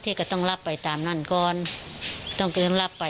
เจ้าก็ต้องรับไปตามนั่นก่อนต้องก็ต้องรับไป